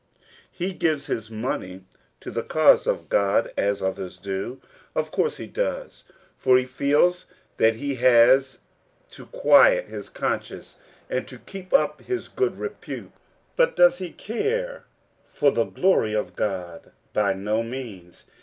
He gives his money to the cause of God, as others do. Of course he does ; for he feels that he has to quiet his conscience, and to keep up his good repute : but does he care for the glory of God ? By no means.